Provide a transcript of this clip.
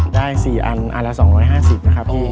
ได้๔อันอันละ๒๕๐นะครับพี่